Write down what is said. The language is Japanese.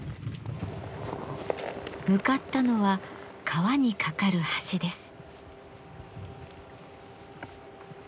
向かったのは川に架かる橋です。